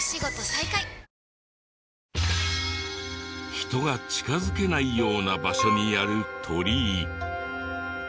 人が近づけないような場所にある鳥居。